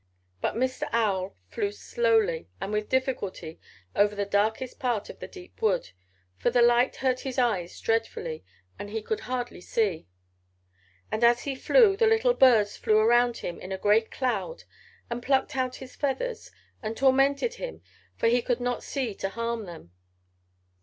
"But Mr. Owl flew slowly and with difficulty over to the darkest part of the deep wood, for the light hurt his eyes dreadfully and he could hardly see. And as he flew the little birds flew around him in a great cloud and plucked out his feathers and tormented him for he could not see to harm them."